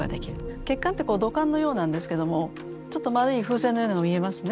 血管って土管のようなんですけどもちょっと丸い風船のようなのが見えますね。